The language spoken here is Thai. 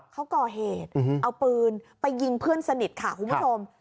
เขาก่อเหตุเอาปืนไปยิงเพื่อนสนิทค่ะคุณผู้ชม